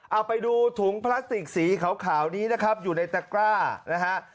เอาไปดูถุงพลาสติกสีขาวนี้นะครับอยู่ในตะกร้านะฮะ